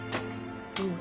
うん。